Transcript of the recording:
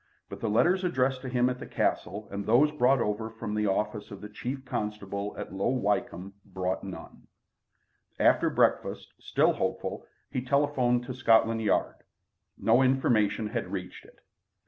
But the letters addressed to him at the Castle and those brought over from the office of the Chief Constable at Low Wycombe brought none. After breakfast, still hopeful, he telephoned to Scotland Yard. No information had reached it.